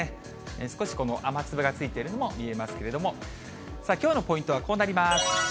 少し雨粒がついているのも見えますけれども、さあ、きょうのポイントはこうなります。